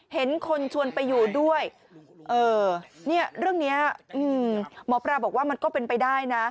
เห็นคนชวนไปอยู่ด้วยเนี่ยเรื่องนี้หมอปลาบอกว่ามันก็เป็นไปได้นะ